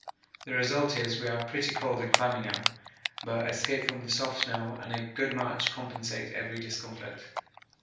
The result is we are pretty cold and clammy now, but escape from the soft snow and a good march compensate every discomfort.